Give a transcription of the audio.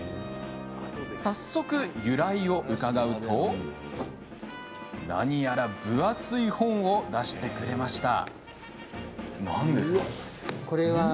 早速、由来を伺うと何やら分厚い本を出してくれました。